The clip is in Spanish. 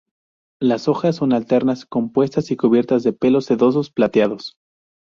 Las hojas son alternas, compuestas y cubiertas de pelos sedosos, plateados.